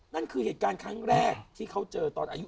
นั่นคือเหตุการณ์ครั้งแรกที่เขาเจอตอนอายุ